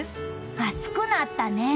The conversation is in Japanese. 暑くなったね。